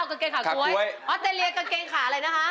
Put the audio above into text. ออเตรเลียกางเกงขาอะไรนะคะ